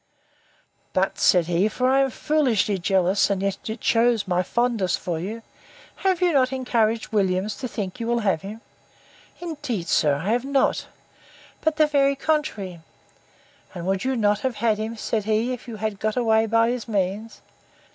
But, said he, (for I am foolishly jealous, and yet it shews my fondness for you,) have you not encouraged Williams to think you will have him? Indeed, sir, said I, I have not; but the very contrary. And would you not have had him, said he, if you had got away by his means?